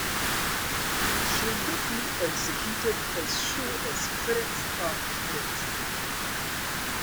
She’ll get me executed, as sure as ferrets are ferrets!